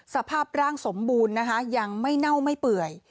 สภาพร่างสมบูรณ์นะคะยังไม่เน่าไม่เปื่อย